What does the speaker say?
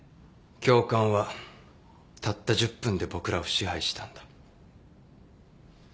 教官はたった１０分で僕らを支配したんだ。